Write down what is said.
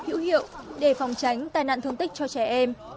hữu hiệu để phòng tránh tai nạn thương tích cho trẻ em